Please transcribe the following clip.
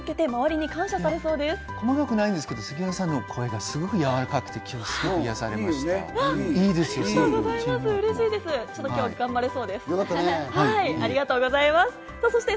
細かくないんですけど、杉原さんの声がすごくやわらかくて癒やされました。